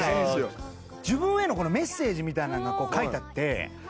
自分へのメッセージみたいなのが書いてあって。